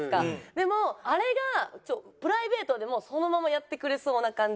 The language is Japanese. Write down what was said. でもあれがプライベートでもそのままやってくれそうな感じ？